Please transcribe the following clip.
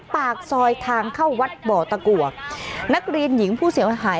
ปากซอยทางเข้าวัดบ่อตะกัวนักเรียนหญิงผู้เสียหาย